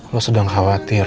lo sedang khawatir